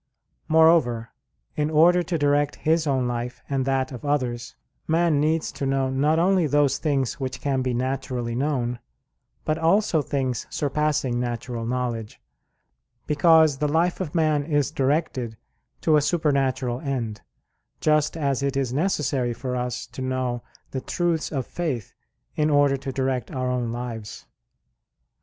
Moreover, in order to direct his own life and that of others, man needs to know not only those things which can be naturally known, but also things surpassing natural knowledge; because the life of man is directed to a supernatural end: just as it is necessary for us to know the truths of faith in order to direct our own lives.